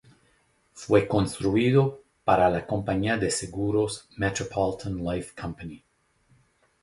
Fue construido para la compañía de seguros "Metropolitan Life Company".